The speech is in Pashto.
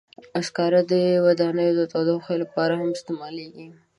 سکاره د ودانیو د تودوخې لپاره هم استعمالېږي.